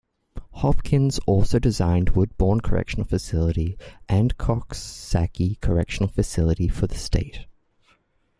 Hopkins also designed Woodbourne Correctional Facility and Coxsackie Correctional Facility for the state.